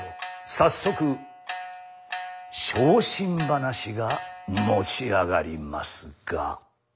早速昇進話が持ち上がりますが。